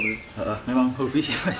memang hobi sih